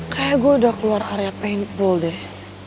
kayaknya gue udah keluar area paintrol deh